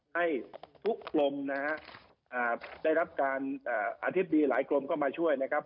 ให้ทุกกรมนะฮะได้รับการอธิบดีหลายกรมก็มาช่วยนะครับ